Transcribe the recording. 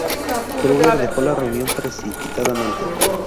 Kruger dejó la reunión precipitadamente.